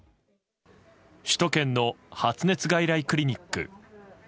首都圏の発熱外来クリニック。